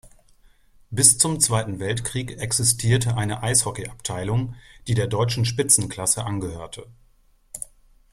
Bis zum Zweiten Weltkrieg existierte eine Eishockeyabteilung, die der deutschen Spitzenklasse angehörte.